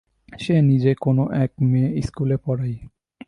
সে নিজে কোনো এক মেয়ে-স্কুলে পড়ায়।